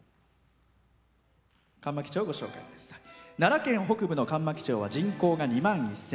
奈良県北部の上牧町は人口が２万１０００。